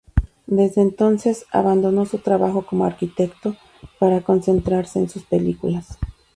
Desde entonces, abandonó su trabajo como arquitecto para concentrarse en sus películas.